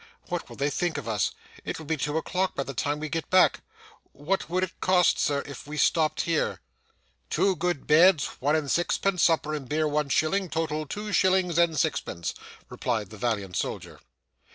What will they think of us! It will be two o'clock by the time we get back. What would it cost, sir, if we stopped here?' 'Two good beds, one and sixpence; supper and beer one shilling; total two shillings and sixpence,' replied the Valiant Soldier.